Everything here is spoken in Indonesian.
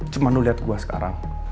cuma lu lihat gue sekarang